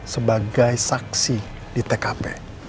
sebagai saksi di tkp